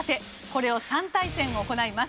これを３対戦行います。